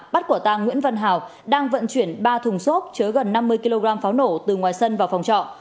bắt quả tàng nguyễn văn hào đang vận chuyển ba thùng xốp chứa gần năm mươi kg pháo nổ từ ngoài sân vào phòng trọ